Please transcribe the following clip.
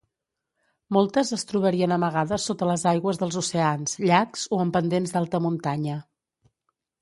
Moltes es trobarien amagades sota les aigües dels oceans, llacs, o en pendents d'alta muntanya.